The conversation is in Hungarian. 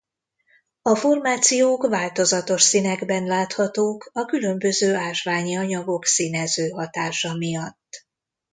A formációk változatos színekben láthatók a különböző ásványi anyagok színező hatása miatt.